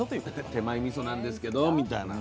「手前みそなんですけど」みたいな。